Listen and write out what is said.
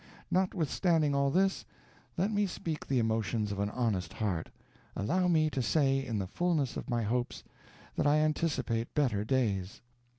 Notwithstanding all this, let me speak the emotions of an honest heart allow me to say in the fullness of my hopes that I anticipate better days.